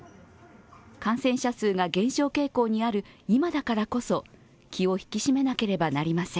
感染者数が減少傾向にある今だからこそ気を引き締めなければなりません。